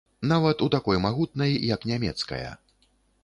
Нават у такой магутнай, як нямецкая.